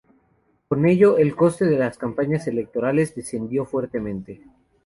Con ello el coste de las campañas electorales descendió fuertemente.